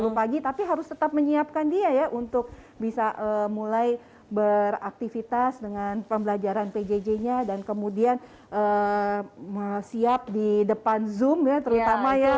sepuluh pagi tapi harus tetap menyiapkan dia ya untuk bisa mulai beraktivitas dengan pembelajaran pjj nya dan kemudian siap di depan zoom ya terutama ya